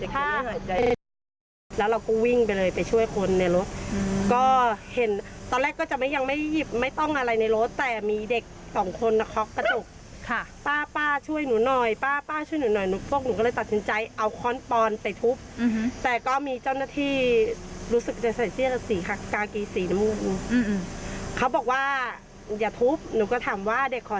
ถ้าเด็กขอชีวิตเราต้องช่วยเด็กหนูก็ตัดสินใจงัดเอาเด็กออกมา